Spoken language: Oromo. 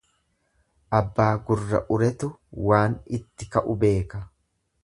Abbaa gurra uretu waan itti ka'u beeka.